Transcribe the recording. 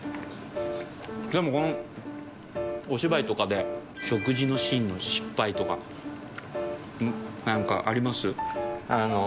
でもこのお芝居とかで食事のシーンの失敗とか何かあります？